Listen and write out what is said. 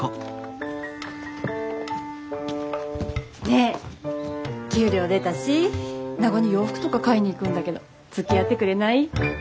ねえ給料出たし名護に洋服とか買いに行くんだけどつきあってくれない？